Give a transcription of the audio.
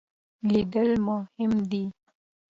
لیدل مهم دی.